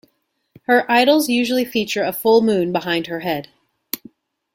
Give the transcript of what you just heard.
Her idols usually feature a full moon behind her head.